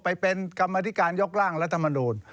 ไปเป็นกรรมธิการยกร่างรัฐมนูล